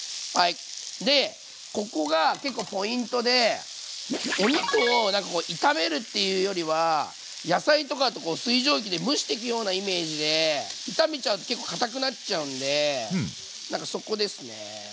でここが結構ポイントでお肉を何かこう炒めるっていうよりは野菜とかとこう水蒸気で蒸していくようなイメージで炒めちゃうと結構かたくなっちゃうんでなんかそこですね。